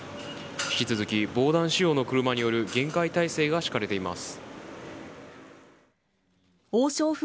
引き続き防弾仕様の車による厳戒態勢が敷かれています。